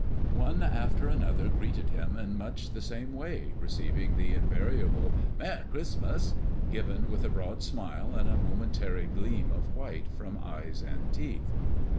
One after another greeted him in much the same way, receiving the invariable "Merry Chris'mus," given with a broad smile and a momentary gleam of white from eyes and teeth.